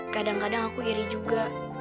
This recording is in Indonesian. kadang kadang aku iri juga